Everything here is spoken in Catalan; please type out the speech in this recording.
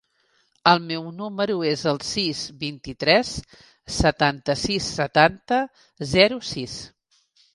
El meu número es el sis, vint-i-tres, setanta-sis, setanta, zero, sis.